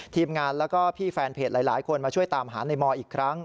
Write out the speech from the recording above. ทีมงานแล้วก็พี่แฟนเพจหลายคนมาช่วยตามหาในมออีกครั้ง